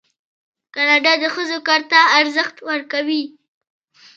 کاناډا د ښځو کار ته ارزښت ورکوي.